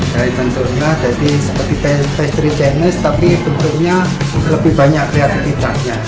dari bentuknya jadi seperti pastry chinese tapi bentuknya lebih banyak kreatifitasnya